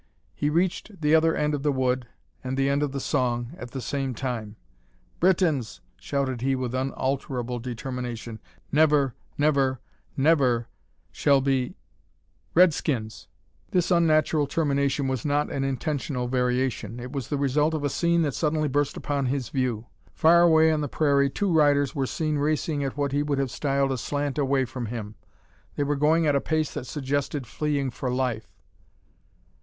He reached the other end of the wood and the end of the song at the same time. "Britons," shouted he with unalterable determination "Never, never, ne ever, shall be Redskins!" This unnatural termination was not an intentional variation. It was the result of a scene that suddenly burst upon his view. Far away on the prairie two riders were seen racing at what he would have styled a slant away from him. They were going at a pace that suggested fleeing for life.